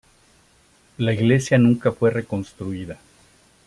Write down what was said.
La iglesia nunca fue reconstruida.